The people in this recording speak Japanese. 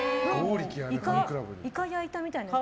イカ焼いたみたいなやつが。